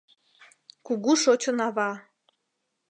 Кугу Шочын Ава!